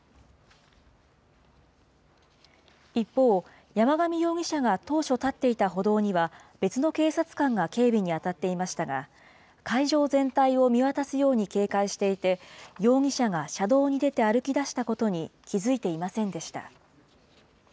一方、山上容疑者が当初立っていた歩道には、別の警察官が警備に当たっていましたが、会場全体を見渡すように警戒していて、容疑者が車道に出て歩き出したことに気付いていませんでした。